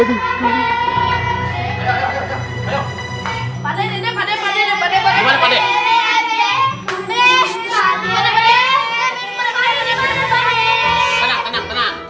aduh jangan jangan belum kelar nih hehehe aduh sakit banget ini aduh hehehe